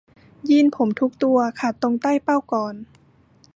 ยีนส์ผมทุกตัวขาดตรงใต้เป้าก่อน